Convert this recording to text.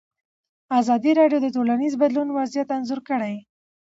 ازادي راډیو د ټولنیز بدلون وضعیت انځور کړی.